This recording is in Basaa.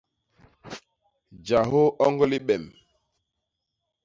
Jahô oñg libem.